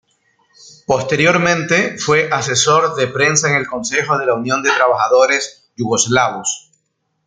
Posteriormente fue asesor de prensa en el Consejo de la Unión de Trabajadores Yugoslavos.